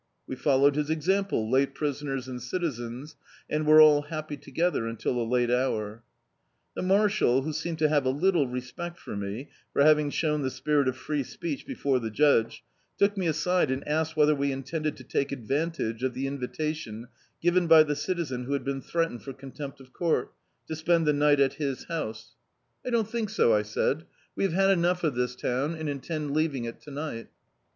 We followed his example, late prisoners and citizens, and were all happy together until a late hour. The marshal, who seemed to have a little respect for me, for having shown the spirit of free speech before the judge, took me aside and asked whether we intended to take advantage of the invitation given by the citizen who had been threatened for cmtempt of court — to spend the ni^t at his house. [59l D,i.,.db, Google The Autobiography of a Super Tramp "I don't think so," I said; "we have had enough of this town, and intend leaving it to ni^t."